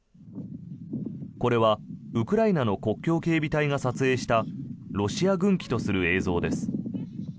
これは、ウクライナの国境警備隊が撮影したロシア軍機とする映像です。